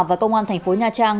và công an thành phố nha trang